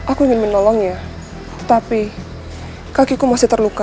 aku ingin menolongnya tapi kakiku masih terluka